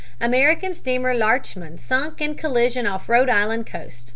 American steamer Larchmond sunk in collision off Rhode Island coast; 131 lives lost.